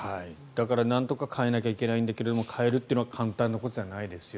だからなんとか変えなきゃいけないんだけれども帰るというのは簡単なことじゃないですよ